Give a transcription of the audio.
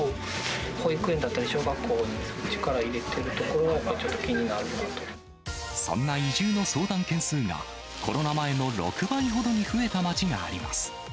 保育園だったり小学校に力入れてるところがちょっと気になるそんな移住の相談件数がコロナ前の６倍ほどに増えた町があります。